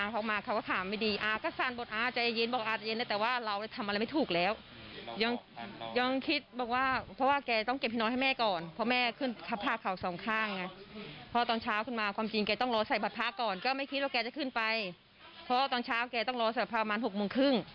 พ่อตอนเช้าแกต้องรอเสร็จประมาณ๖โมงครึ่ง